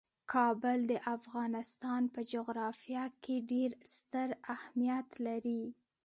کابل د افغانستان په جغرافیه کې ډیر ستر اهمیت لري.